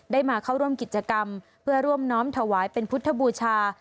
มาเข้าร่วมกิจกรรมเพื่อร่วมน้อมถวายเป็นพุทธบูชา